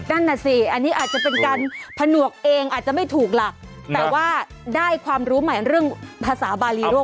นั่นน่ะสิอันนี้อาจจะเป็นการผนวกเองอาจจะไม่ถูกหลักแต่ว่าได้ความรู้ใหม่เรื่องภาษาบารีโรค